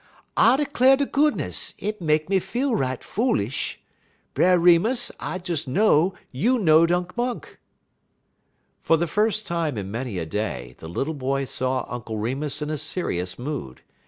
I 'clar' ter goodness, it make me feel right foolish. Brer Remus, I des know you know'd Unk Monk." For the first time in many a day the little boy saw Uncle Remus in a serious mood.